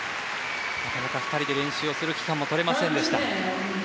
なかなか２人で練習する期間が取れませんでした。